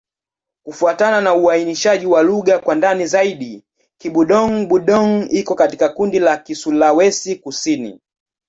Kufuatana na uainishaji wa lugha kwa ndani zaidi, Kibudong-Budong iko katika kundi la Kisulawesi-Kusini.